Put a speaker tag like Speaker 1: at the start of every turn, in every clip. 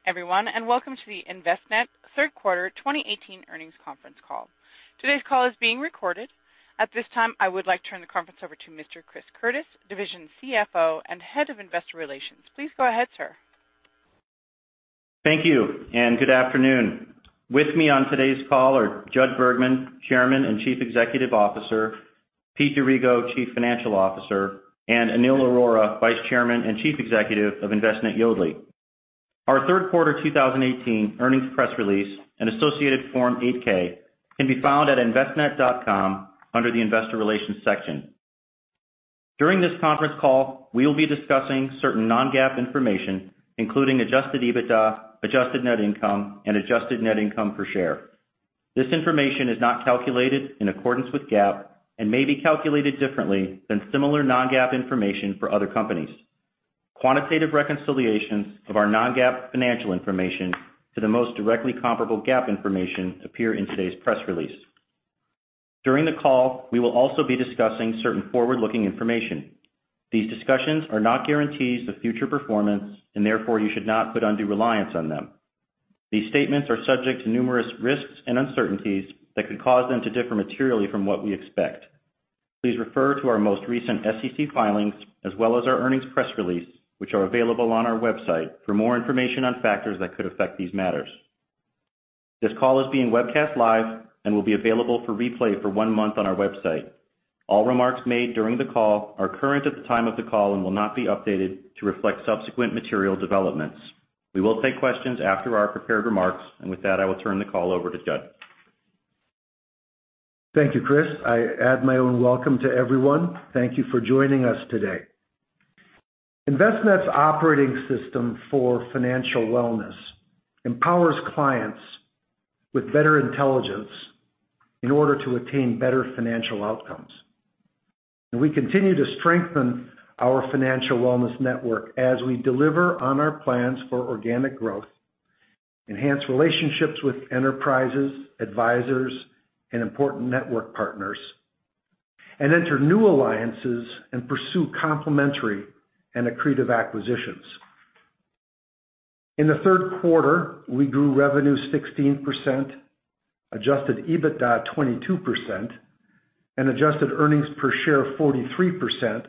Speaker 1: Good day, everyone, welcome to the Envestnet third quarter 2018 earnings conference call. Today's call is being recorded. At this time, I would like to turn the conference over to Mr. Chris Curtis, Division CFO and Head of Investor Relations. Please go ahead, sir.
Speaker 2: Thank you, good afternoon. With me on today's call are Judd Bergman, Chairman and Chief Executive Officer, Pete D'Arrigo, Chief Financial Officer, and Anil Arora, Vice Chairman and Chief Executive of Envestnet Yodlee. Our third quarter 2018 earnings press release and associated Form 8-K can be found at envestnet.com under the investor relations section. During this conference call, we will be discussing certain non-GAAP information, including adjusted EBITDA, adjusted net income, and adjusted net income per share. This information is not calculated in accordance with GAAP and may be calculated differently than similar non-GAAP information for other companies. Quantitative reconciliations of our non-GAAP financial information to the most directly comparable GAAP information appear in today's press release. During the call, we will also be discussing certain forward-looking information. These discussions are not guarantees of future performance. Therefore, you should not put undue reliance on them. These statements are subject to numerous risks and uncertainties that could cause them to differ materially from what we expect. Please refer to our most recent SEC filings as well as our earnings press release, which are available on our website for more information on factors that could affect these matters. This call is being webcast live and will be available for replay for one month on our website. All remarks made during the call are current at the time of the call and will not be updated to reflect subsequent material developments. We will take questions after our prepared remarks. With that, I will turn the call over to Judd.
Speaker 3: Thank you, Chris. I add my own welcome to everyone. Thank you for joining us today. Envestnet's operating system for financial wellness empowers clients with better intelligence in order to attain better financial outcomes. We continue to strengthen our financial wellness network as we deliver on our plans for organic growth, enhance relationships with enterprises, advisors, and important network partners, and enter new alliances and pursue complementary and accretive acquisitions. In the third quarter, we grew revenue 16%, adjusted EBITDA 22%, and adjusted earnings per share 43%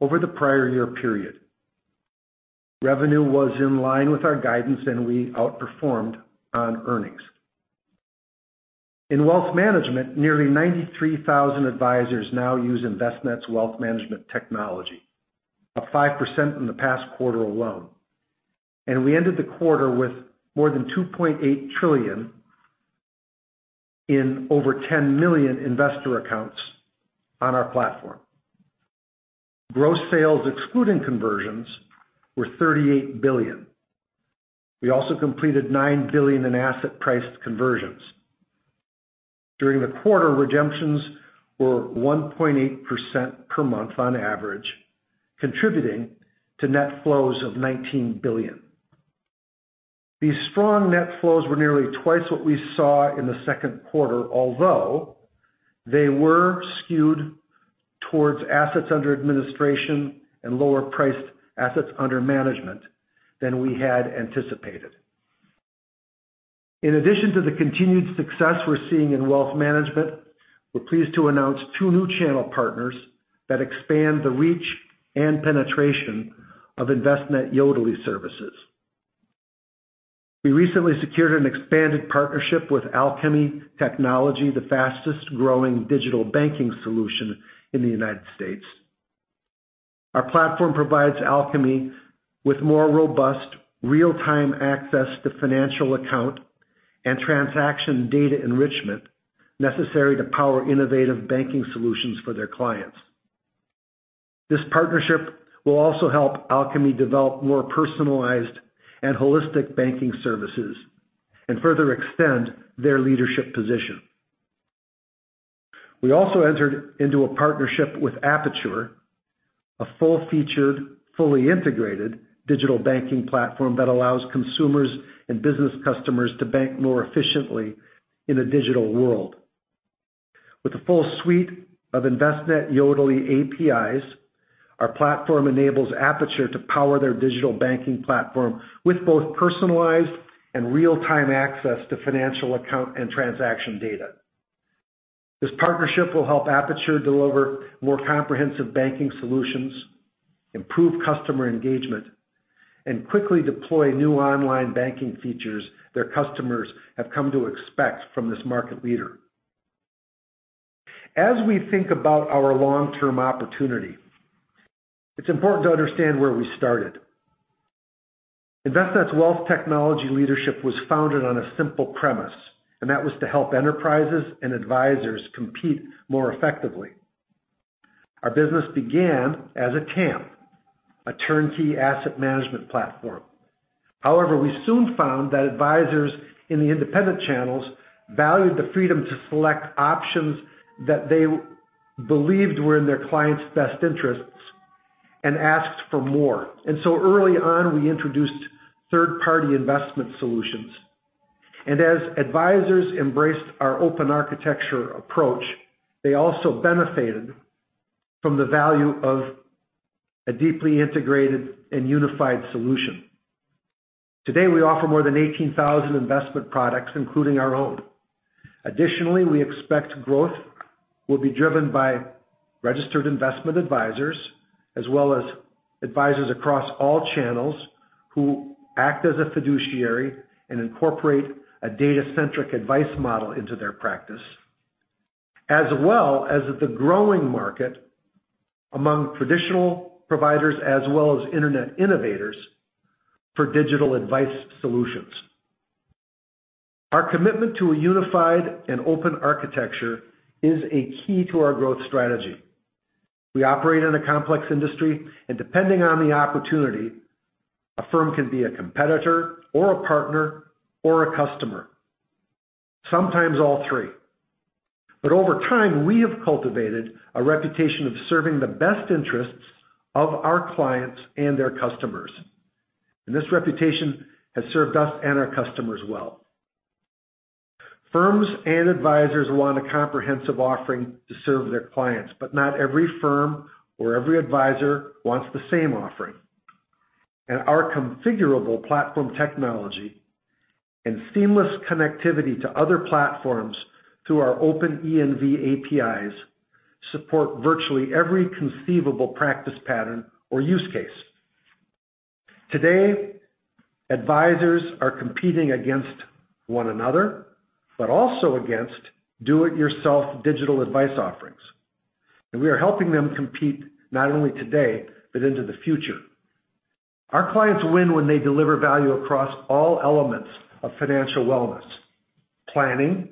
Speaker 3: over the prior year period. Revenue was in line with our guidance. We outperformed on earnings. In wealth management, nearly 93,000 advisors now use Envestnet's wealth management technology, up 5% in the past quarter alone. We ended the quarter with more than $2.8 trillion in over 10 million investor accounts on our platform. Gross sales excluding conversions were $38 billion. We also completed $9 billion in asset price conversions. During the quarter, redemptions were 1.8% per month on average, contributing to net flows of $19 billion. These strong net flows were nearly twice what we saw in the second quarter, although they were skewed towards assets under administration and lower priced assets under management than we had anticipated. In addition to the continued success we're seeing in wealth management, we're pleased to announce two new channel partners that expand the reach and penetration of Envestnet | Yodlee services. We recently secured an expanded partnership with Alkami Technology, the fastest growing digital banking solution in the U.S. Our platform provides Alkami with more robust real-time access to financial account and transaction data enrichment necessary to power innovative banking solutions for their clients. This partnership will also help Alkami develop more personalized and holistic banking services and further extend their leadership position. We also entered into a partnership with Apiture, a full-featured, fully integrated digital banking platform that allows consumers and business customers to bank more efficiently in a digital world. With a full suite of Envestnet | Yodlee APIs, our platform enables Apiture to power their digital banking platform with both personalized and real-time access to financial account and transaction data. This partnership will help Apiture deliver more comprehensive banking solutions, improve customer engagement, and quickly deploy new online banking features their customers have come to expect from this market leader. As we think about our long-term opportunity, it's important to understand where we started. Envestnet's wealth technology leadership was founded on a simple premise. That was to help enterprises and advisors compete more effectively. Our business began as a TAMP, a turnkey asset management platform. We soon found that advisors in the independent channels valued the freedom to select options that they believed were in their clients' best interests and asked for more. Early on, we introduced third-party investment solutions. As advisors embraced our open architecture approach, they also benefited from the value of a deeply integrated and unified solution. Today, we offer more than 18,000 investment products, including our own. Additionally, we expect growth will be driven by registered investment advisors, as well as advisors across all channels who act as a fiduciary and incorporate a data-centric advice model into their practice, as well as the growing market among traditional providers as well as internet innovators for digital advice solutions. Our commitment to a unified and open architecture is a key to our growth strategy. We operate in a complex industry. Depending on the opportunity, a firm can be a competitor, or a partner, or a customer, sometimes all three. Over time, we have cultivated a reputation of serving the best interests of our clients and their customers. This reputation has served us and our customers well. Firms and advisors want a comprehensive offering to serve their clients. Not every firm or every advisor wants the same offering. Our configurable platform technology and seamless connectivity to other platforms through our Open ENV APIs support virtually every conceivable practice pattern or use case. Today, advisors are competing against one another. Also against do-it-yourself digital advice offerings, we are helping them compete not only today but into the future. Our clients win when they deliver value across all elements of financial wellness: planning,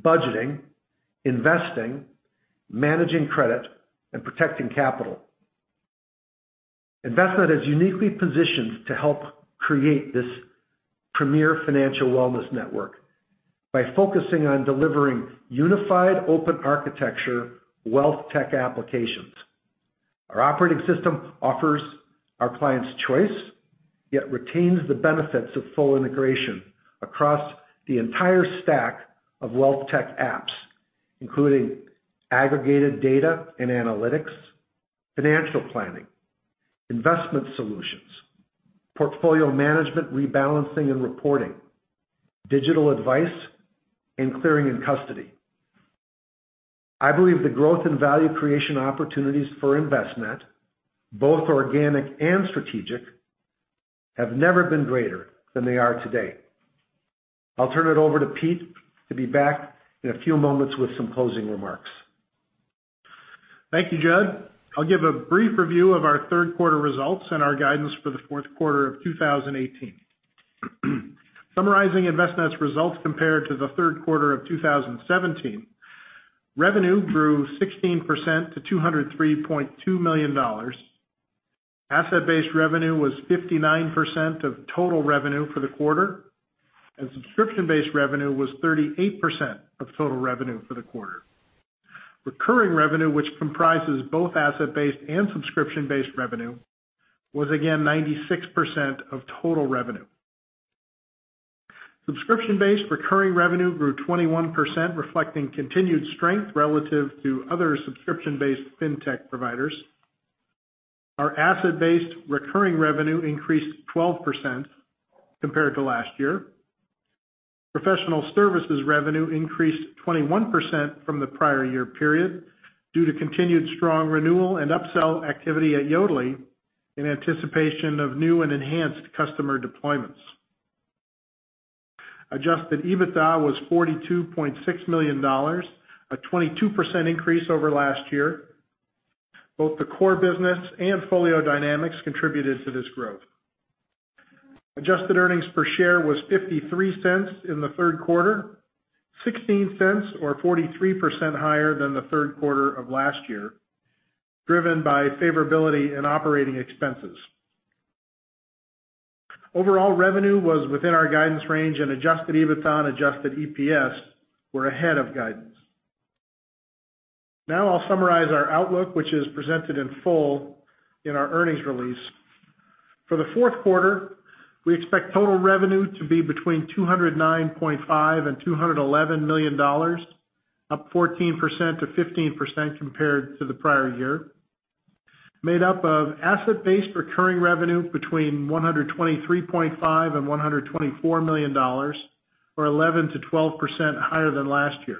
Speaker 3: budgeting, investing, managing credit, and protecting capital. Envestnet is uniquely positioned to help create this premier financial wellness network by focusing on delivering unified, open-architecture wealth tech applications. Our operating system offers our clients choice, yet retains the benefits of full integration across the entire stack of wealth tech apps, including aggregated data and analytics, financial planning, investment solutions, portfolio management, rebalancing and reporting, digital advice, and clearing and custody. I believe the growth and value creation opportunities for Envestnet, both organic and strategic, have never been greater than they are today. I'll turn it over to Pete to be back in a few moments with some closing remarks.
Speaker 4: Thank you, Judd. I'll give a brief review of our third quarter results and our guidance for the fourth quarter of 2018. Summarizing Envestnet's results compared to the third quarter of 2017, revenue grew 16% to $203.2 million. Asset-based revenue was 59% of total revenue for the quarter, and subscription-based revenue was 38% of total revenue for the quarter. Recurring revenue, which comprises both asset-based and subscription-based revenue, was again 96% of total revenue. Subscription-based recurring revenue grew 21%, reflecting continued strength relative to other subscription-based fintech providers. Our asset-based recurring revenue increased 12% compared to last year. Professional services revenue increased 21% from the prior year period due to continued strong renewal and upsell activity at Yodlee in anticipation of new and enhanced customer deployments. Adjusted EBITDA was $42.6 million, a 22% increase over last year. Both the core business and FolioDynamix contributed to this growth. Adjusted earnings per share was $0.53 in the third quarter, $0.16 or 43% higher than the third quarter of last year, driven by favorability in operating expenses. Overall revenue was within our guidance range, and adjusted EBITDA and adjusted EPS were ahead of guidance. Now I'll summarize our outlook, which is presented in full in our earnings release. For the fourth quarter, we expect total revenue to be between $209.5 million-$211 million, up 14%-15% compared to the prior year, made up of asset-based recurring revenue between $123.5 million-$124 million, or 11%-12% higher than last year.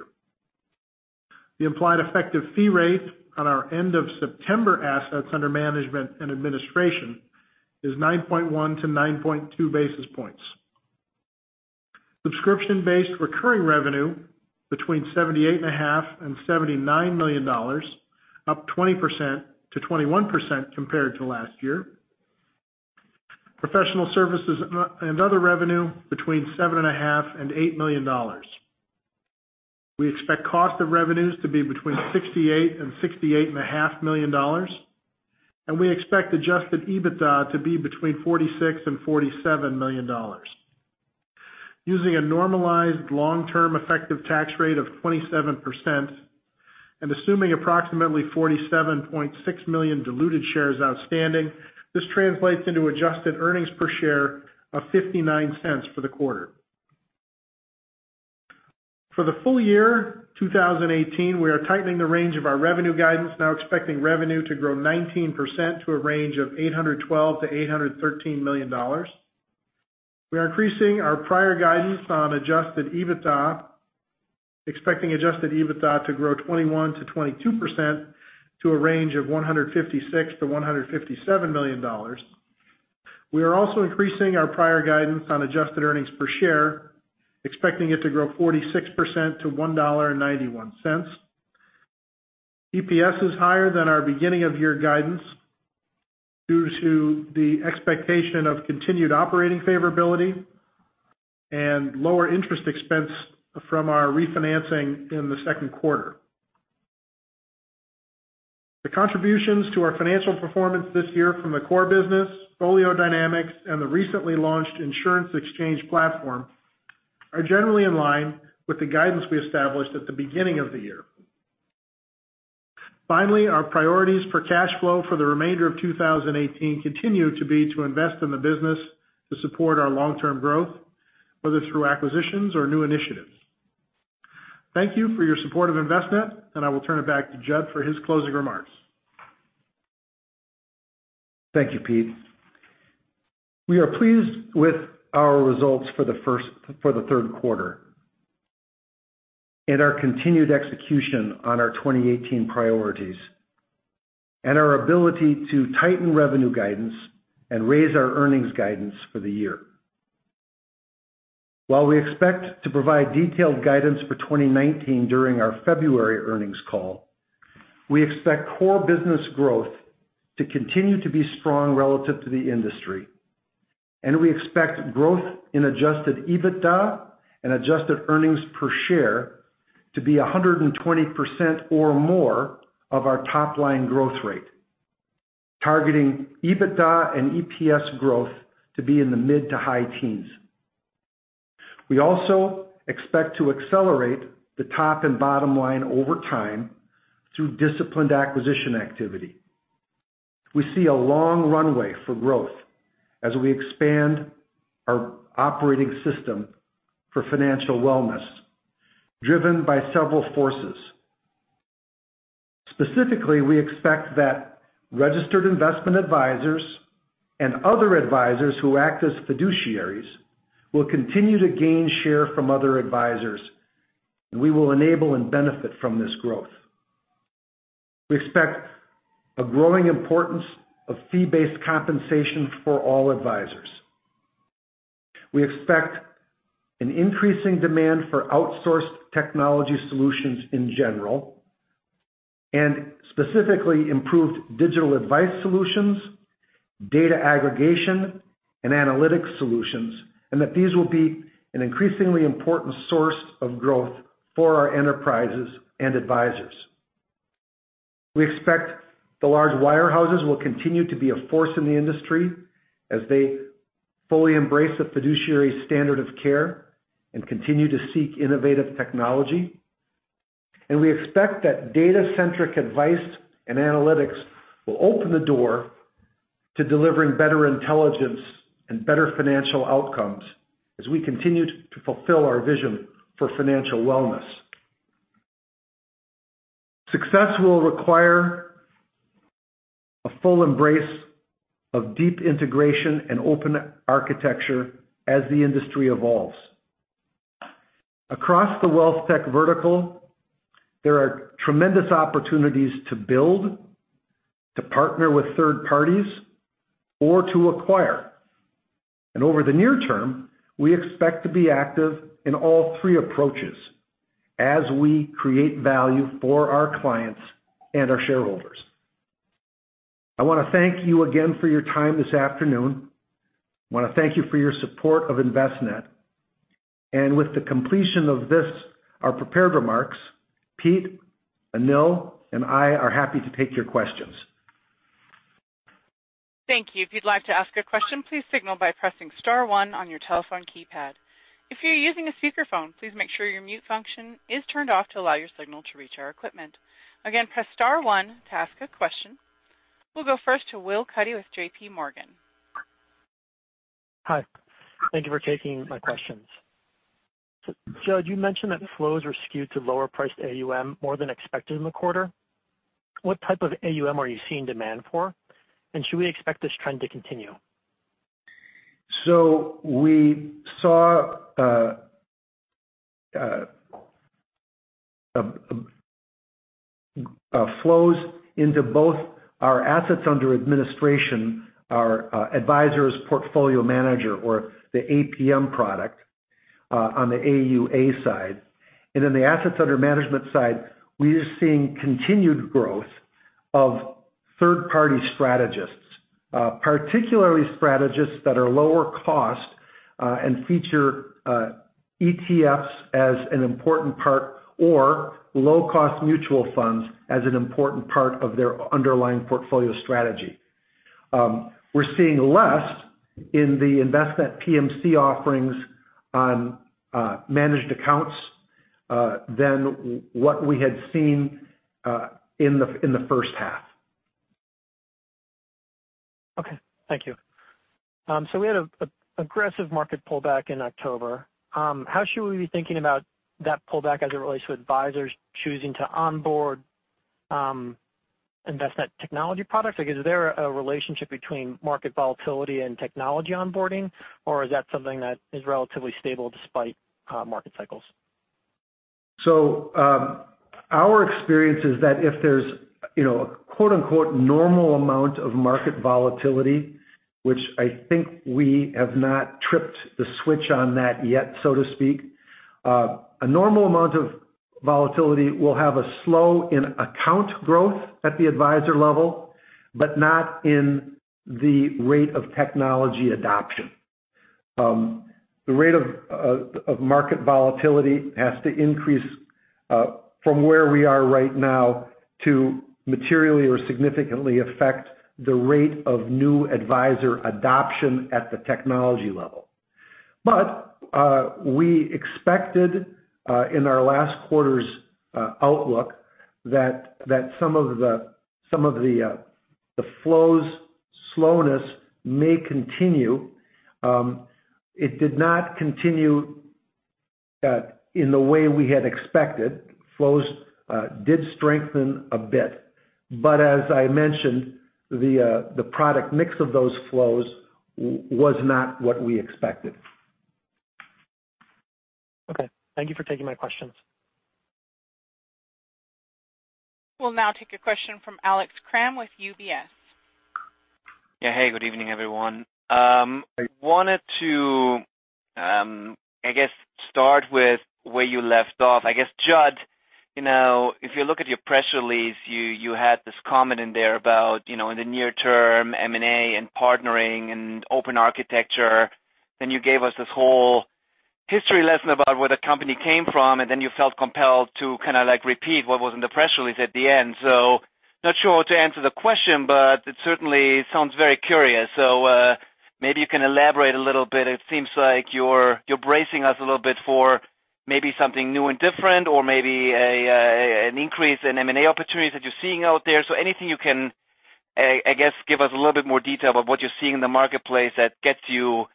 Speaker 4: The implied effective fee rate on our end of September assets under management and administration is 9.1 to 9.2 basis points. Subscription-based recurring revenue between $78.5 million-$79 million, up 20%-21% compared to last year. Professional services and other revenue between $7.5 million-$8 million. We expect cost of revenues to be between $68 million-$68.5 million, and we expect adjusted EBITDA to be between $46 million-$47 million. Using a normalized long-term effective tax rate of 27% and assuming approximately 47.6 million diluted shares outstanding, this translates into adjusted earnings per share of $0.59 for the quarter. For the full year 2018, we are tightening the range of our revenue guidance, now expecting revenue to grow 19% to a range of $812 million-$813 million. We are increasing our prior guidance on adjusted EBITDA, expecting adjusted EBITDA to grow 21%-22% to a range of $156 million-$157 million. We are also increasing our prior guidance on adjusted earnings per share, expecting it to grow 46% to $1.91. EPS is higher than our beginning of year guidance due to the expectation of continued operating favorability and lower interest expense from our refinancing in the second quarter. The contributions to our financial performance this year from the core business, FolioDynamix, and the recently launched insurance exchange platform, are generally in line with the guidance we established at the beginning of the year. Finally, our priorities for cash flow for the remainder of 2018 continue to be to invest in the business to support our long-term growth, whether through acquisitions or new initiatives. Thank you for your support of Envestnet, and I will turn it back to Judd for his closing remarks.
Speaker 3: Thank you, Pete. We are pleased with our results for the third quarter, and our continued execution on our 2018 priorities, and our ability to tighten revenue guidance and raise our earnings guidance for the year. While we expect to provide detailed guidance for 2019 during our February earnings call, we expect core business growth to continue to be strong relative to the industry, and we expect growth in adjusted EBITDA and adjusted earnings per share to be 120% or more of our top-line growth rate, targeting EBITDA and EPS growth to be in the mid to high teens. We also expect to accelerate the top and bottom line over time through disciplined acquisition activity. We see a long runway for growth as we expand our operating system for financial wellness, driven by several forces. Specifically, we expect that registered investment advisors and other advisors who act as fiduciaries will continue to gain share from other advisors. We will enable and benefit from this growth. We expect a growing importance of fee-based compensation for all advisors. We expect an increasing demand for outsourced technology solutions in general, and specifically improved digital advice solutions, data aggregation, and analytics solutions, and that these will be an increasingly important source of growth for our enterprises and advisors. We expect the large wirehouses will continue to be a force in the industry as they fully embrace the fiduciary standard of care and continue to seek innovative technology. We expect that data-centric advice and analytics will open the door to delivering better intelligence and better financial outcomes as we continue to fulfill our vision for financial wellness. Success will require a full embrace of deep integration and open architecture as the industry evolves. Across the wealth tech vertical, there are tremendous opportunities to build, to partner with third parties, or to acquire. Over the near term, we expect to be active in all three approaches as we create value for our clients and our shareholders. I want to thank you again for your time this afternoon. I want to thank you for your support of Envestnet. With the completion of this, our prepared remarks, Pete, Anil, and I are happy to take your questions.
Speaker 1: Thank you. If you'd like to ask a question, please signal by pressing *1 on your telephone keypad. If you're using a speakerphone, please make sure your mute function is turned off to allow your signal to reach our equipment. Again, press *1 to ask a question. We'll go first to Will Cuddy with J.P. Morgan.
Speaker 5: Hi. Thank you for taking my questions. Judd, you mentioned that flows were skewed to lower priced AUM more than expected in the quarter. What type of AUM are you seeing demand for? Should we expect this trend to continue?
Speaker 3: We saw flows into both our assets under administration, our advisors portfolio manager or the APM product, on the AUA side. In the assets under management side, we are seeing continued growth of third-party strategists, particularly strategists that are lower cost, and feature ETFs as an important part or low-cost mutual funds as an important part of their underlying portfolio strategy. We're seeing less in the Envestnet | PMC offerings on managed accounts than what we had seen in the first half.
Speaker 5: Thank you. We had an aggressive market pullback in October. How should we be thinking about that pullback as it relates to advisors choosing to onboard Envestnet technology products? Is there a relationship between market volatility and technology onboarding, or is that something that is relatively stable despite market cycles?
Speaker 3: Our experience is that if there's a quote unquote "normal amount of market volatility," which I think we have not tripped the switch on that yet, so to speak. A normal amount of volatility will have a slow in account growth at the advisor level, but not in the rate of technology adoption. The rate of market volatility has to increase from where we are right now to materially or significantly affect the rate of new advisor adoption at the technology level. We expected, in our last quarter's outlook, that some of the flow's slowness may continue. It did not continue in the way we had expected. Flows did strengthen a bit. As I mentioned, the product mix of those flows was not what we expected.
Speaker 5: Okay. Thank you for taking my questions.
Speaker 1: We'll now take a question from Alex Kramm with UBS.
Speaker 6: Yeah. Hey, good evening, everyone. I wanted to start with where you left off. Judd, if you look at your press release, you had this comment in there about, in the near term, M&A and partnering and open architecture, then you gave us this whole history lesson about where the company came from, and then you felt compelled to kind of repeat what was in the press release at the end. Not sure how to answer the question, but it certainly sounds very curious. Maybe you can elaborate a little bit. It seems like you're bracing us a little bit for maybe something new and different or maybe an increase in M&A opportunities that you're seeing out there. Anything you can give us a little bit more detail about what you're seeing in the marketplace that gets you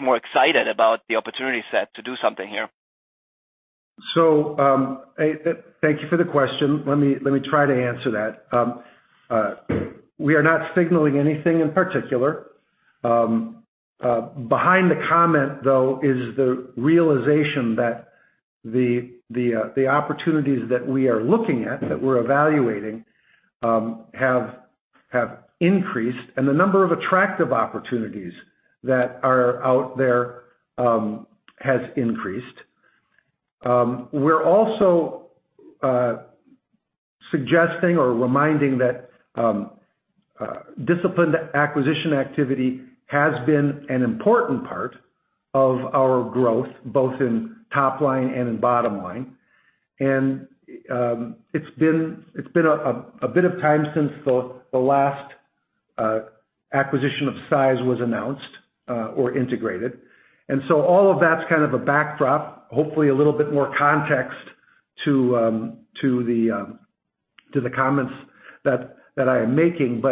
Speaker 6: more excited about the opportunity set to do something here.
Speaker 3: Thank you for the question. Let me try to answer that. We are not signaling anything in particular. Behind the comment, though, is the realization that the opportunities that we are looking at, that we're evaluating, have increased, and the number of attractive opportunities that are out there has increased. We're also suggesting or reminding that disciplined acquisition activity has been an important part of our growth, both in top line and in bottom line. It's been a bit of time since the last acquisition of size was announced or integrated. All of that's kind of a backdrop, hopefully a little bit more context to the comments that I am making.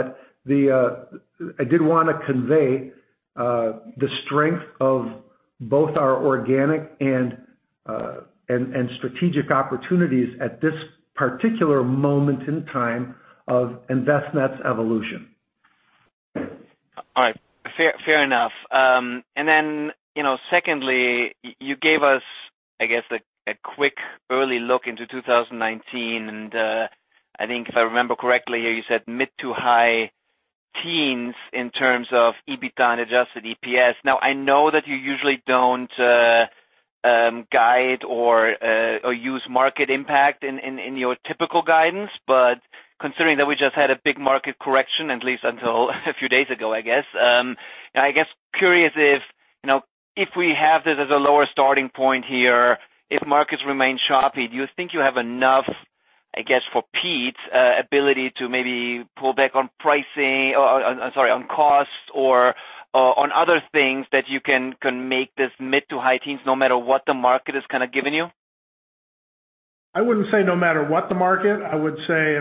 Speaker 3: I did want to convey the strength of both our organic and strategic opportunities at this particular moment in time of Envestnet's evolution.
Speaker 6: All right. Fair enough. Then secondly, you gave us a quick early look into 2019, and I think if I remember correctly here, you said mid to high teens in terms of EBITDA and adjusted EPS. I know that you usually don't guide or use market impact in your typical guidance, considering that we just had a big market correction, at least until a few days ago, I guess. Curious if we have this as a lower starting point here, if markets remain choppy, do you think you have enough, for Pete's ability to maybe pull back on costs or on other things that you can make this mid to high teens no matter what the market has given you?
Speaker 4: I wouldn't say no matter what the market. I would say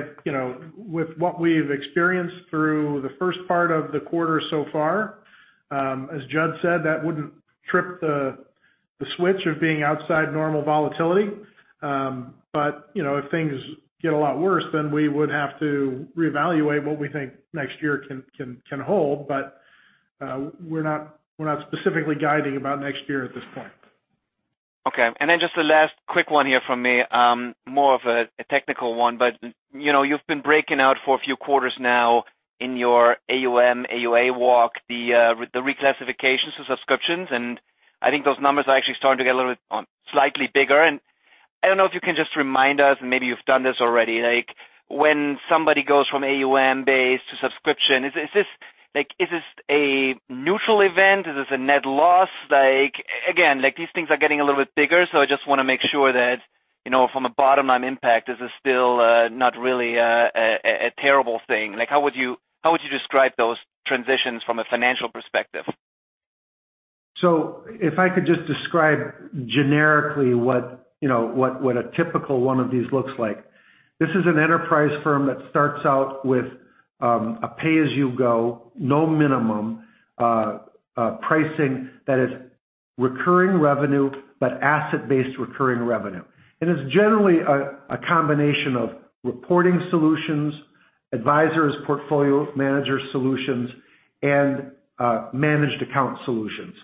Speaker 4: with what we've experienced through the first part of the quarter so far, as Judd said, that wouldn't trip the switch of being outside normal volatility. If things get a lot worse, then we would have to reevaluate what we think next year can hold. We're not specifically guiding about next year at this point.
Speaker 6: Okay. Just the last quick one here from me, more of a technical one. You've been breaking out for a few quarters now in your AUM, AUA walk, the reclassifications of subscriptions, I think those numbers are actually starting to get slightly bigger. I don't know if you can just remind us, maybe you've done this already, when somebody goes from AUM base to subscription, is this a neutral event? Is this a net loss? Again, these things are getting a little bit bigger, I just want to make sure that from a bottom-line impact, this is still not really a terrible thing. How would you describe those transitions from a financial perspective?
Speaker 3: If I could just describe generically what a typical one of these looks like. This is an enterprise firm that starts out with a pay-as-you-go, no minimum, pricing that is recurring revenue, but asset-based recurring revenue. It is generally a combination of reporting solutions, advisers, portfolio manager solutions, and managed account solutions.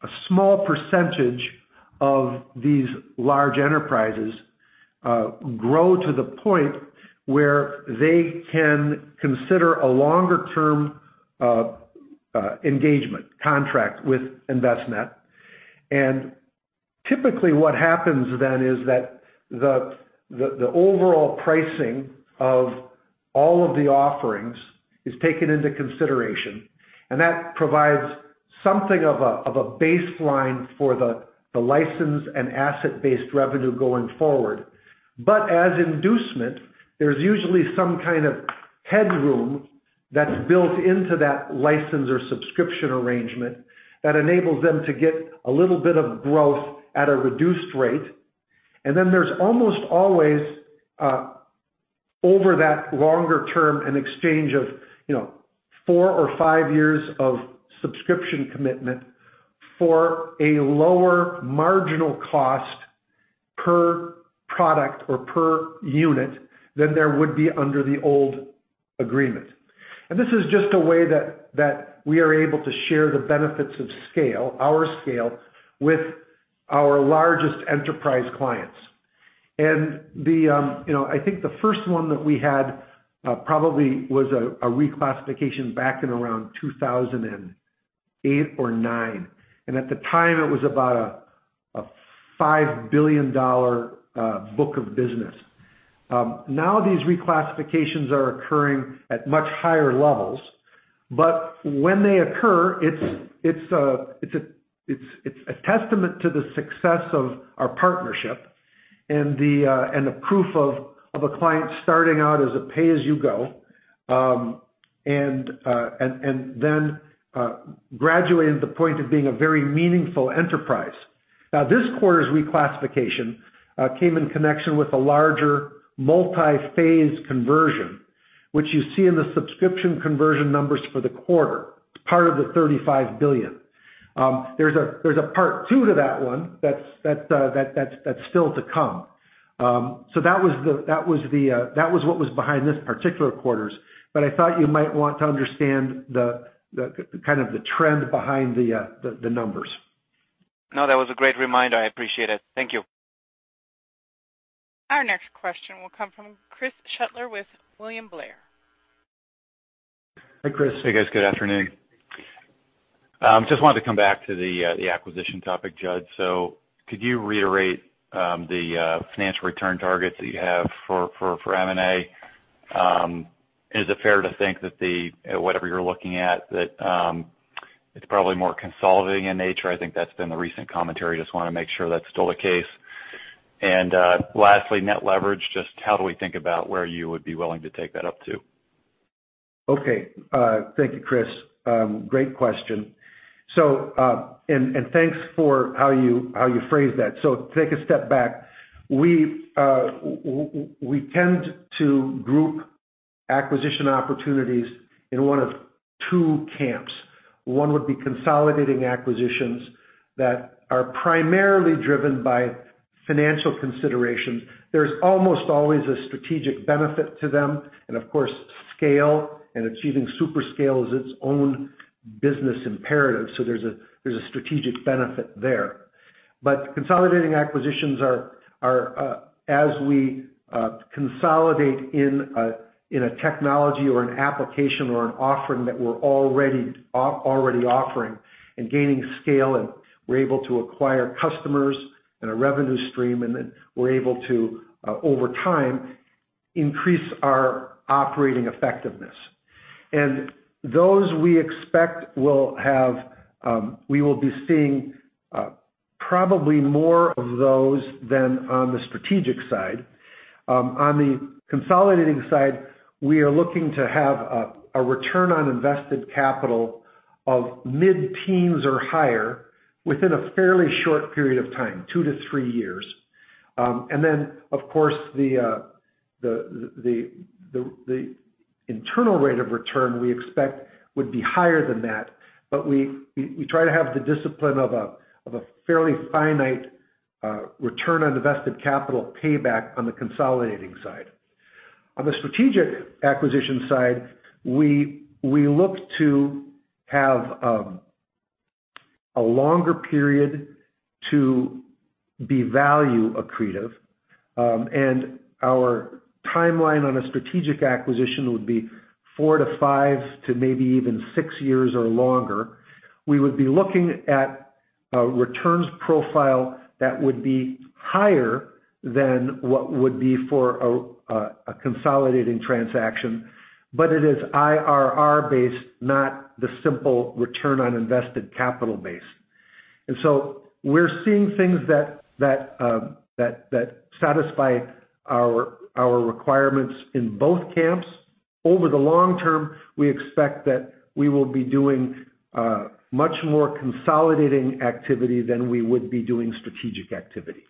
Speaker 3: A small percentage of these large enterprises grow to the point where they can consider a longer-term engagement contract with Envestnet. Typically, what happens then is that the overall pricing of all of the offerings is taken into consideration, and that provides something of a baseline for the license and asset-based revenue going forward. As inducement, there's usually some kind of headroom that's built into that license or subscription arrangement that enables them to get a little bit of growth at a reduced rate. There's almost always, over that longer term, an exchange of four or five years of subscription commitment for a lower marginal cost per product or per unit than there would be under the old agreement. This is just a way that we are able to share the benefits of scale, our scale, with our largest enterprise clients. I think the first one that we had probably was a reclassification back in around 2008 or 2009. At the time, it was about a $5 billion book of business. Now, these reclassifications are occurring at much higher levels, when they occur, it's a testament to the success of our partnership and the proof of a client starting out as a pay-as-you-go, then graduating to the point of being a very meaningful enterprise. Now, this quarter's reclassification came in connection with a larger multi-phase conversion, which you see in the subscription conversion numbers for the quarter. It's part of the $35 billion. There's a part two to that one that's still to come. That was what was behind this particular quarter, I thought you might want to understand the trend behind the numbers.
Speaker 6: No, that was a great reminder. I appreciate it. Thank you.
Speaker 1: Our next question will come from Chris Shutler with William Blair.
Speaker 3: Hi, Chris.
Speaker 7: Hey, guys. Good afternoon. Just wanted to come back to the acquisition topic, Jud. Could you reiterate the financial return targets that you have for M&A? Is it fair to think that whatever you're looking at, that it's probably more consolidating in nature? I think that's been the recent commentary. Just want to make sure that's still the case. Lastly, net leverage, just how do we think about where you would be willing to take that up to?
Speaker 3: Okay. Thank you, Chris. Great question. Thanks for how you phrased that. Take a step back. We tend to group acquisition opportunities in one of two camps. One would be consolidating acquisitions that are primarily driven by financial considerations. There's almost always a strategic benefit to them. Of course, scale and achieving super scale is its own business imperative. There's a strategic benefit there. Consolidating acquisitions are, as we consolidate in a technology or an application or an offering that we're already offering and gaining scale, and we're able to acquire customers and a revenue stream, then we're able to, over time, increase our operating effectiveness. Those we expect we will be seeing probably more of those than on the strategic side. On the consolidating side, we are looking to have a return on invested capital of mid-teens or higher within a fairly short period of time, two to three years. Then, of course, the internal rate of return we expect would be higher than that. We try to have the discipline of a fairly finite return on invested capital payback on the consolidating side. On the strategic acquisition side, we look to have a longer period to be value accretive. Our timeline on a strategic acquisition would be four to five to maybe even six years or longer. We would be looking at a returns profile that would be higher than what would be for a consolidating transaction, but it is IRR-based, not the simple return on invested capital base. We're seeing things that satisfy our requirements in both camps. Over the long term, we expect that we will be doing much more consolidating activity than we would be doing strategic activity.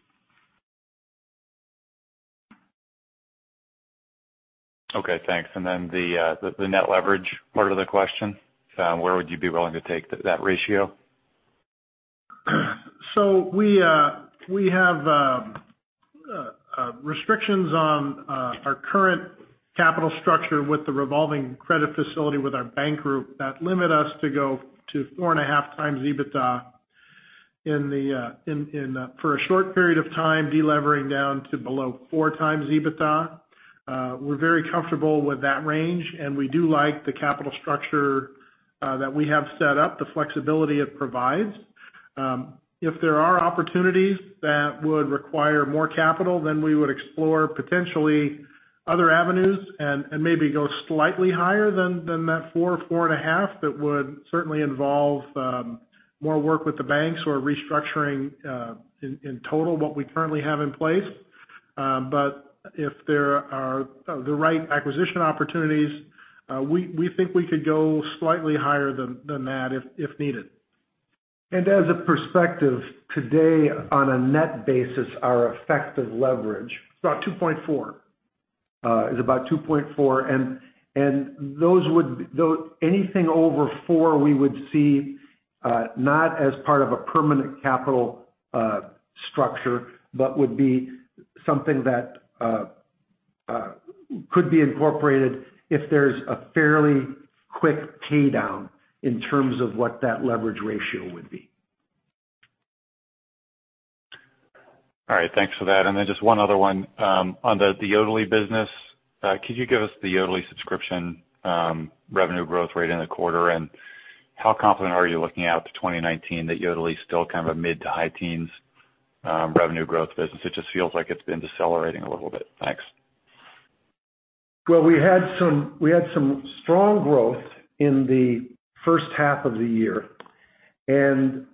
Speaker 7: Okay, thanks. Then the net leverage part of the question, where would you be willing to take that ratio?
Speaker 4: We have restrictions on our current capital structure with the revolving credit facility with our bank group that limit us to go to 4.5 times EBITDA for a short period of time, de-levering down to below 4 times EBITDA. We are very comfortable with that range. We do like the capital structure that we have set up, the flexibility it provides. If there are opportunities that would require more capital, we would explore potentially other avenues and maybe go slightly higher than that 4.5. That would certainly involve more work with the banks or restructuring in total what we currently have in place. If there are the right acquisition opportunities, we think we could go slightly higher than that if needed.
Speaker 3: As a perspective, today on a net basis, our effective leverage-
Speaker 4: It is about 2.4
Speaker 3: is about 2.4. Anything over 4 we would see not as part of a permanent capital structure, but would be something that could be incorporated if there is a fairly quick pay-down in terms of what that leverage ratio would be.
Speaker 7: Just one other one. On the Yodlee business, could you give us the Yodlee subscription revenue growth rate in the quarter, and how confident are you looking out to 2019 that Yodlee's still a mid to high teens revenue growth business? It just feels like it's been decelerating a little bit. Thanks.
Speaker 3: Well, we had some strong growth in the first half of the year. There,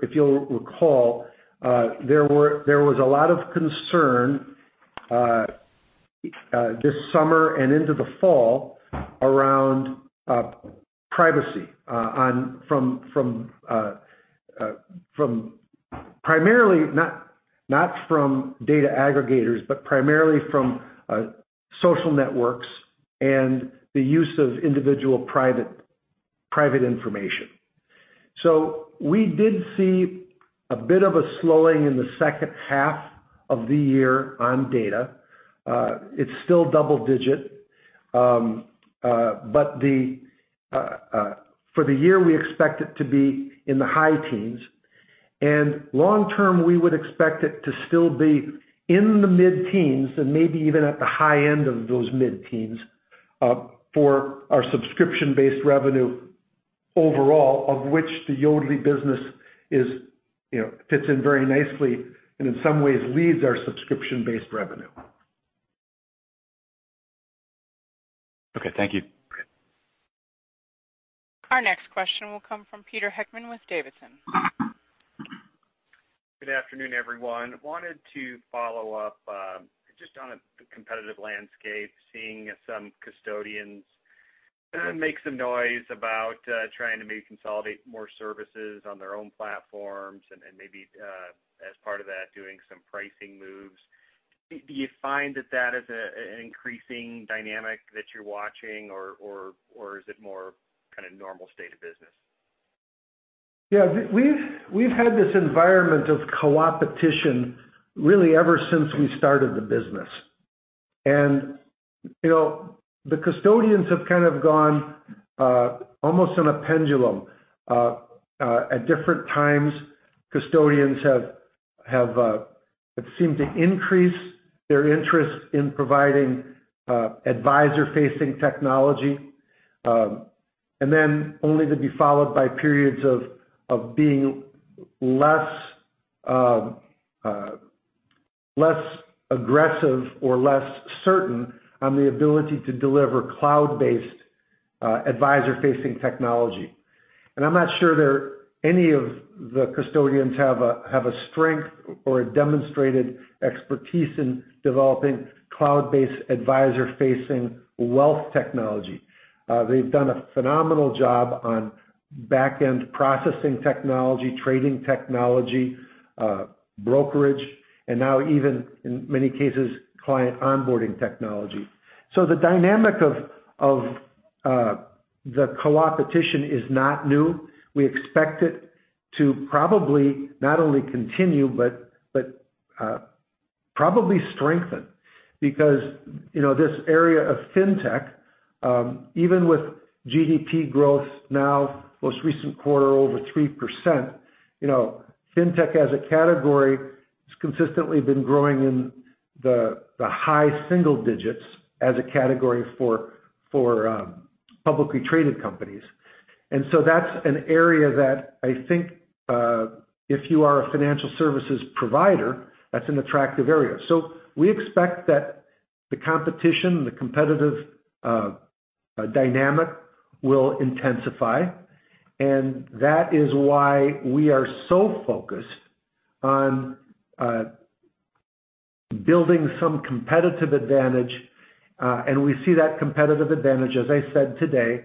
Speaker 3: if you'll recall, there was a lot of concern this summer and into the fall around privacy, not from data aggregators, but primarily from social networks and the use of individual private information. We did see a bit of a slowing in the second half of the year on data. It's still double digit. For the year, we expect it to be in the high teens. Long term, we would expect it to still be in the mid-teens and maybe even at the high end of those mid-teens, for our subscription-based revenue overall, of which the Yodlee business fits in very nicely and in some ways leads our subscription-based revenue.
Speaker 7: Okay, thank you.
Speaker 1: Our next question will come from Peter Heckmann with Davidson.
Speaker 8: I wanted to follow up just on the competitive landscape, seeing some custodians make some noise about trying to maybe consolidate more services on their own platforms and maybe as part of that, doing some pricing moves. Do you find that that is an increasing dynamic that you're watching, or is it more kind of normal state of business?
Speaker 3: Yeah. We've had this environment of co-opetition really ever since we started the business. The custodians have kind of gone almost on a pendulum. At different times, custodians have seemed to increase their interest in providing advisor-facing technology. Only to be followed by periods of being less aggressive or less certain on the ability to deliver cloud-based advisor-facing technology. I'm not sure any of the custodians have a strength or a demonstrated expertise in developing cloud-based advisor-facing wealth technology. They've done a phenomenal job on back-end processing technology, trading technology, brokerage, and now even in many cases, client onboarding technology. The dynamic of the co-opetition is not new. We expect it to probably not only continue but probably strengthen because this area of fintech, even with GDP growth now most recent quarter over 3%, fintech as a category has consistently been growing in the high single digits as a category for publicly traded companies. That's an area that I think if you are a financial services provider, that's an attractive area. We expect that the competition, the competitive dynamic will intensify, and that is why we are so focused on building some competitive advantage. We see that competitive advantage, as I said today,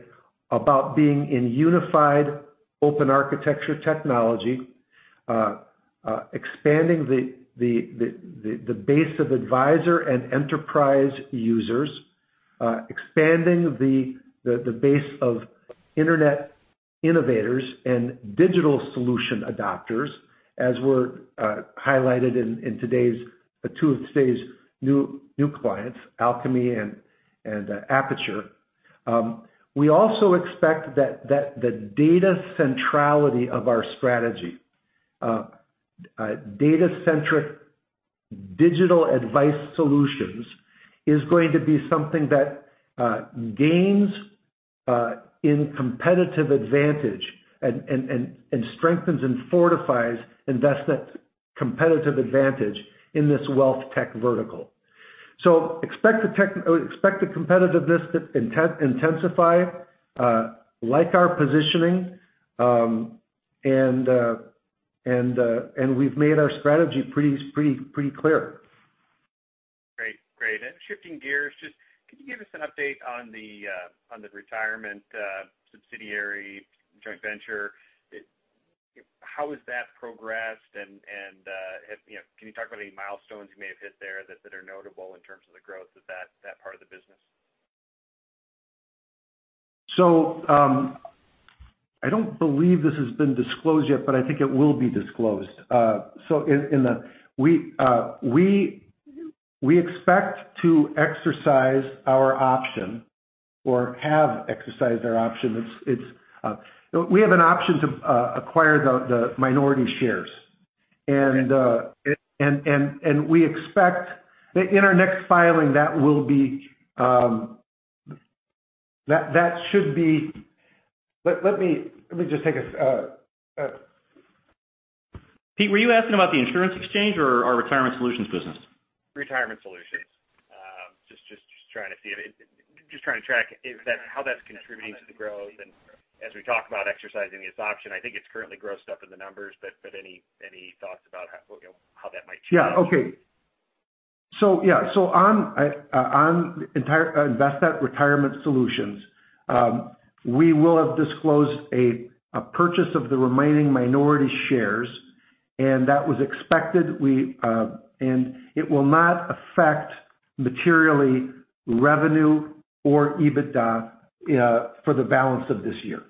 Speaker 3: about being in unified open architecture technology, expanding the base of advisor and enterprise users. Expanding the base of internet innovators and digital solution adopters, as were highlighted in two of today's new clients, Alkami and Apiture. We also expect that the data centrality of our strategy, data-centric digital advice solutions, is going to be something that gains in competitive advantage and strengthens and fortifies Envestnet's competitive advantage in this wealth tech vertical. Expect the competitiveness to intensify, like our positioning, and we've made our strategy pretty clear.
Speaker 8: Great. Shifting gears, just could you give us an update on the retirement subsidiary joint venture? How has that progressed, and can you talk about any milestones you may have hit there that are notable in terms of the growth of that part of the business?
Speaker 3: I don't believe this has been disclosed yet, but I think it will be disclosed. We expect to exercise our option or have exercised our option. We have an option to acquire the minority shares. We expect that in our next filing.
Speaker 4: Pete, were you asking about the insurance exchange or our retirement solutions business?
Speaker 8: Retirement solutions. Just trying to track how that's contributing to the growth. As we talk about exercising its option, I think it's currently grossed up in the numbers, but any thoughts about how that might change?
Speaker 3: Yeah. Okay. On Envestnet Retirement Solutions, we will have disclosed a purchase of the remaining minority shares, that was expected. It will not affect materially revenue or EBITDA for the balance of this year.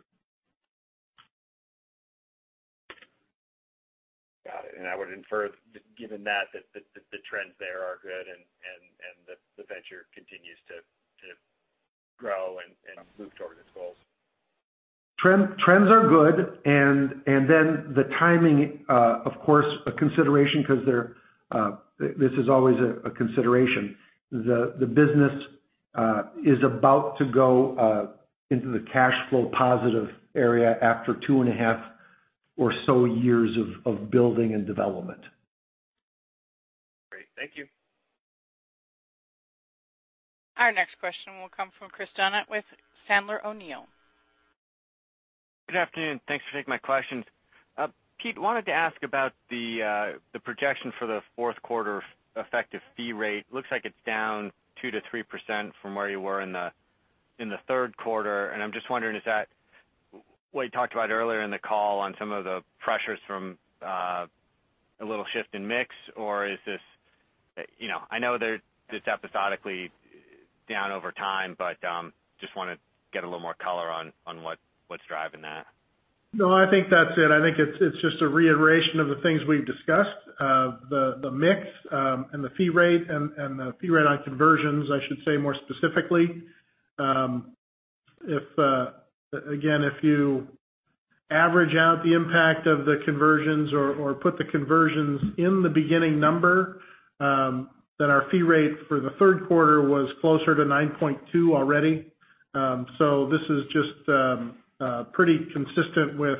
Speaker 8: Got it. I would infer, given that the trends there are good and that the venture continues to grow and move toward its goals.
Speaker 3: Trends are good, the timing, of course, a consideration because this is always a consideration. The business is about to go into the cash flow positive area after two and a half or so years of building and development.
Speaker 8: Great. Thank you.
Speaker 1: Our next question will come from Chris Donat with Sandler O'Neill.
Speaker 9: Good afternoon. Thanks for taking my questions. Pete, wanted to ask about the projection for the fourth quarter effective fee rate. Looks like it's down 2-3% from where you were in the third quarter. I'm just wondering, is that what you talked about earlier in the call on some of the pressures from a little shift in mix? I know that it's episodically down over time, but just want to get a little more color on what's driving that.
Speaker 4: No, I think that's it. I think it's just a reiteration of the things we've discussed. The mix and the fee rate, and the fee rate on conversions, I should say more specifically. Again, if you average out the impact of the conversions or put the conversions in the beginning number, then our fee rate for the third quarter was closer to 9.2% already. This is just pretty consistent with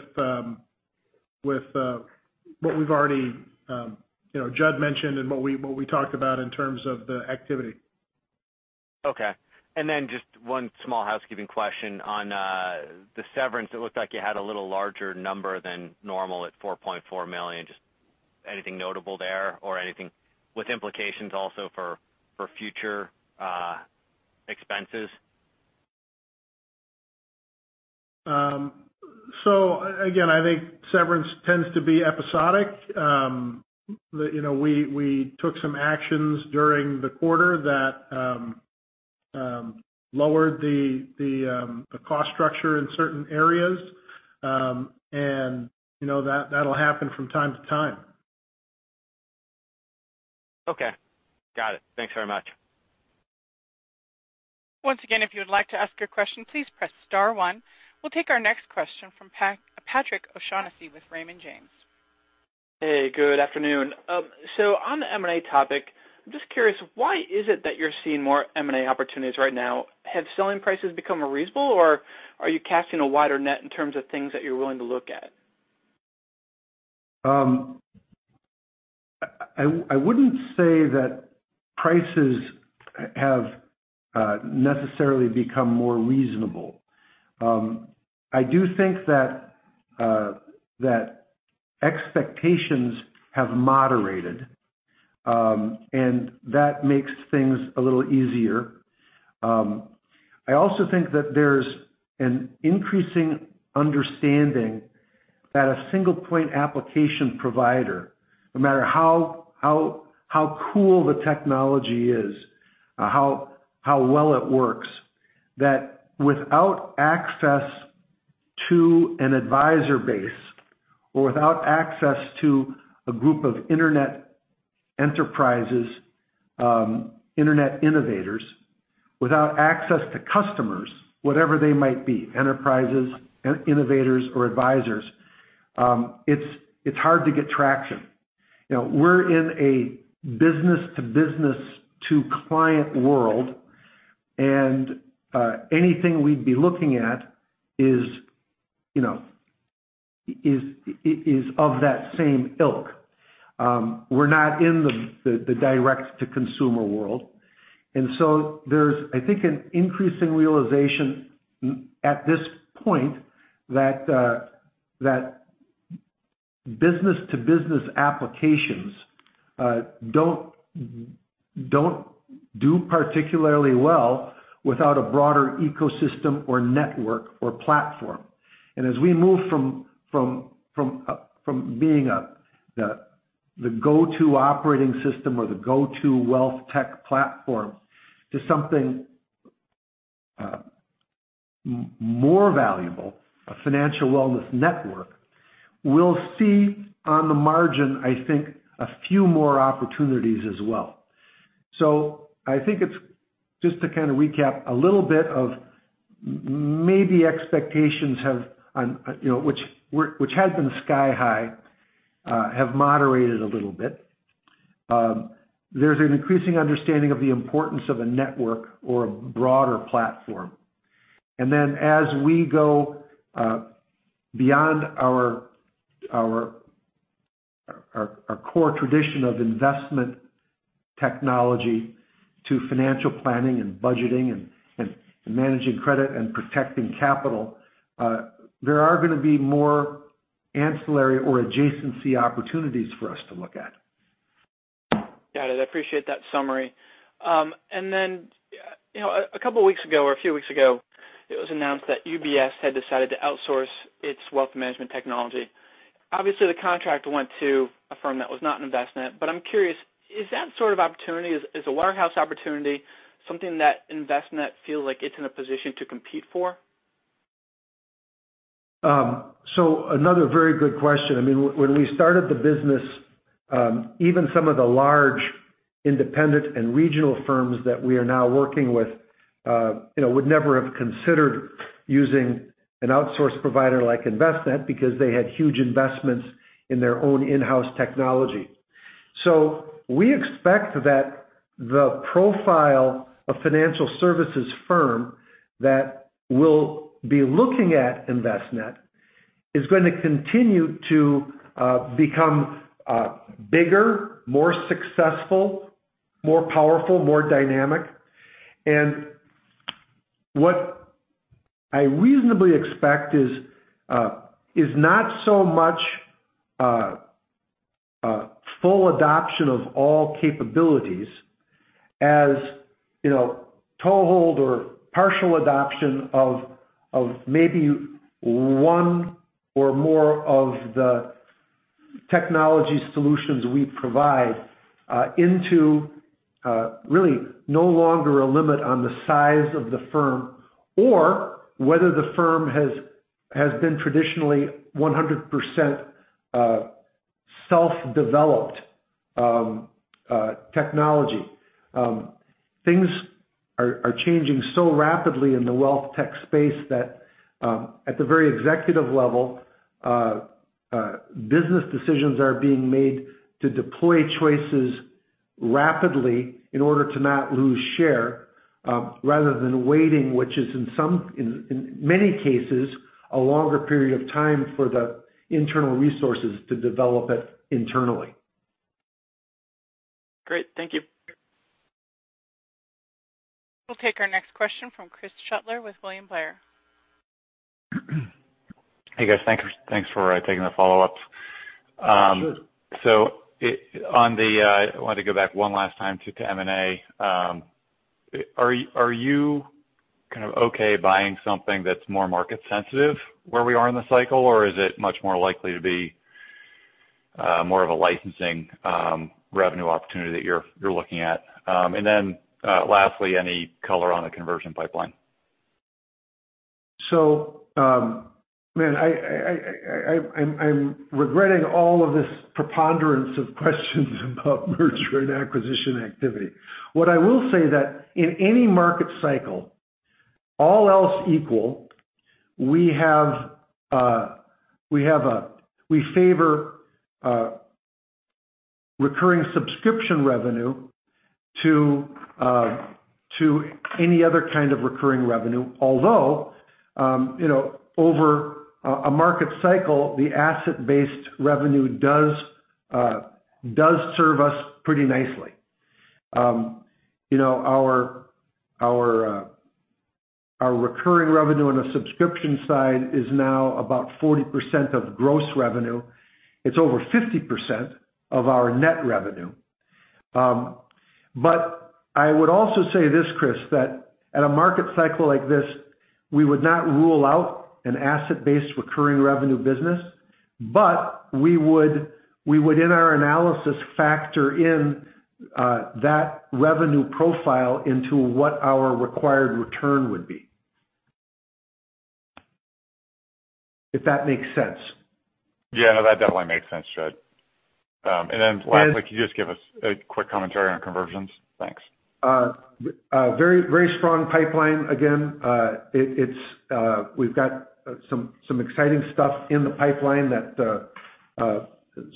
Speaker 4: what Judd mentioned and what we talked about in terms of the activity.
Speaker 9: Okay. Then just one small housekeeping question on the severance. It looked like you had a little larger number than normal at $4.4 million. Just anything notable there or anything with implications also for future expenses?
Speaker 4: Again, I think severance tends to be episodic. We took some actions during the quarter that lowered the cost structure in certain areas. That'll happen from time to time.
Speaker 9: Okay. Got it. Thanks very much.
Speaker 1: Once again, if you would like to ask your question, please press star one. We'll take our next question from Patrick O'Shaughnessy with Raymond James.
Speaker 10: Hey, good afternoon. On the M&A topic, I'm just curious, why is it that you're seeing more M&A opportunities right now? Have selling prices become reasonable, or are you casting a wider net in terms of things that you're willing to look at?
Speaker 3: I wouldn't say that prices have necessarily become more reasonable. I do think that expectations have moderated, and that makes things a little easier. I also think that there's an increasing understanding that a single-point application provider, no matter how cool the technology is, how well it works, that without access to an advisor base or without access to a group of internet enterprises, internet innovators, without access to customers, whatever they might be, enterprises, innovators, or advisors, it's hard to get traction. We're in a business-to-business-to-client world. Anything we'd be looking at is of that same ilk. We're not in the direct-to-consumer world. There's, I think, an increasing realization at this point that business-to-business applications don't do particularly well without a broader ecosystem or network or platform. As we move from being the go-to operating system or the go-to wealth tech platform to something more valuable, a financial wellness network, we'll see on the margin, I think, a few more opportunities as well. I think just to kind of recap, a little bit of maybe expectations, which had been sky high, have moderated a little bit. There's an increasing understanding of the importance of a network or a broader platform. As we go beyond our core tradition of investment technology to financial planning and budgeting and managing credit and protecting capital, there are going to be more ancillary or adjacency opportunities for us to look at.
Speaker 10: Got it. I appreciate that summary. A couple of weeks ago, or a few weeks ago, it was announced that UBS had decided to outsource its wealth management technology. Obviously, the contract went to a firm that was not Envestnet, but I'm curious, is that sort of opportunity, is an outsource opportunity something that Envestnet feels like it's in a position to compete for?
Speaker 3: Another very good question. When we started the business, even some of the large independent and regional firms that we are now working with would never have considered using an outsource provider like Envestnet because they had huge investments in their own in-house technology. We expect that the profile of financial services firm that will be looking at Envestnet is going to continue to become bigger, more successful, more powerful, more dynamic. What I reasonably expect is not so much a full adoption of all capabilities as toehold or partial adoption of maybe one or more of the technology solutions we provide into really no longer a limit on the size of the firm, or whether the firm has been traditionally 100% self-developed technology. Things are changing so rapidly in the wealth tech space that at the very executive level, business decisions are being made to deploy choices rapidly in order to not lose share, rather than waiting, which is in many cases, a longer period of time for the internal resources to develop it internally.
Speaker 10: Great. Thank you.
Speaker 1: We'll take our next question from Chris Shutler with William Blair.
Speaker 7: Hey, guys. Thanks for taking the follow-ups.
Speaker 3: Sure.
Speaker 7: I wanted to go back one last time to M&A. Are you kind of okay buying something that's more market sensitive where we are in the cycle, or is it much more likely to be more of a licensing revenue opportunity that you're looking at? Lastly, any color on the conversion pipeline?
Speaker 3: Man, I'm regretting all of this preponderance of questions about merger and acquisition activity. What I will say that in any market cycle, all else equal, we favor recurring subscription revenue to any other kind of recurring revenue. Although, over a market cycle, the asset-based revenue does serve us pretty nicely. Our recurring revenue on the subscription side is now about 40% of gross revenue. It's over 50% of our net revenue. I would also say this, Chris, that at a market cycle like this, we would not rule out an asset-based recurring revenue business, but we would, in our analysis, factor in that revenue profile into what our required return would be. If that makes sense.
Speaker 7: Yeah, no, that definitely makes sense, Judd. Lastly, can you just give us a quick commentary on conversions? Thanks.
Speaker 3: Very strong pipeline. Again, we've got some exciting stuff in the pipeline,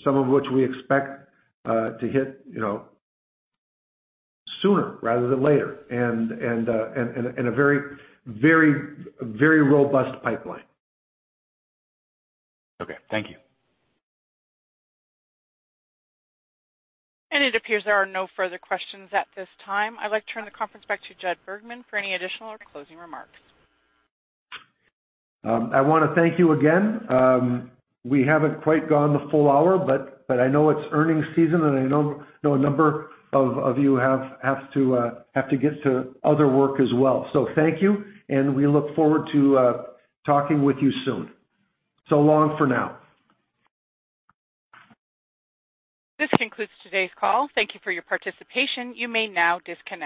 Speaker 3: some of which we expect to hit sooner rather than later. A very robust pipeline.
Speaker 7: Okay. Thank you.
Speaker 1: It appears there are no further questions at this time. I'd like to turn the conference back to Judson Bergman for any additional or closing remarks.
Speaker 3: I want to thank you again. We haven't quite gone the full hour, but I know it's earnings season, and I know a number of you have to get to other work as well. Thank you, and we look forward to talking with you soon. So long for now.
Speaker 1: This concludes today's call. Thank you for your participation. You may now disconnect.